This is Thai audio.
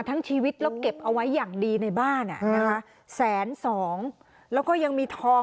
ยังมีทองรุปภัณฑ์อีกห้าสิบสตาเงิน